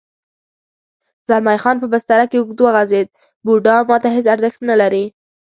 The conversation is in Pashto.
زلمی خان په بستره کې اوږد وغځېد: بوډا ما ته هېڅ ارزښت نه لري.